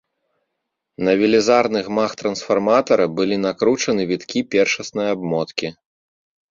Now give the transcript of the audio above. На велізарны гмах трансфарматара былі накручаны віткі першаснай абмоткі.